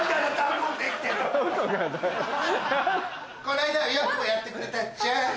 こないだはよくもやってくれたっちゃ！